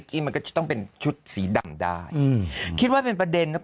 จ่ายกิ๊มมันก็ต้องเป็นชุดสีดำได้คิดว่าเป็นประเด็นหรือ